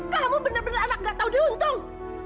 kamu benar benar anak gak tahu diuntung